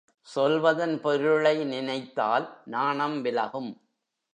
சொல்வதன் பொருளை நினைத்தால் நாணம் விலகும்.